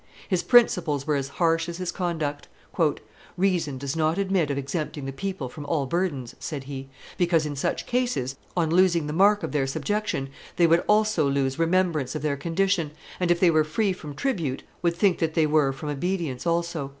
His principles were as harsh as his conduct. "Reason does not admit of exempting the people from all burdens," said he, "because in such case, on losing the mark of their subjection, they would also lose remembrance of their condition, and, if they were free from tribute, would think that they were from obedience also."